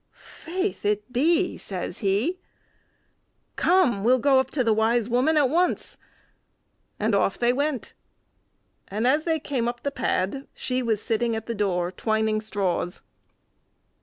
"Faith, it be!" says he. "Come, we'll go up to the wise woman at once," and off they went. And as they came up the pad, she was sitting at the door, twining straws.